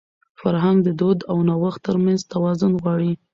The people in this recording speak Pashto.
فرهنګ د دود او نوښت تر منځ توازن غواړي.